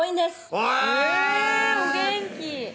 お元気